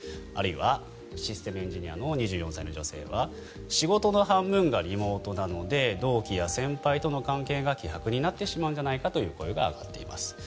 あるいは、システムエンジニアの２４歳の女性は仕事の半分がリモートなので同期や先輩との関係が希薄になってしまうんじゃないかという声が上がっています。